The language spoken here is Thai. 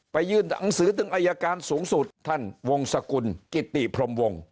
ยื่นหนังสือถึงอายการสูงสุดท่านวงศกุลกิติพรมวง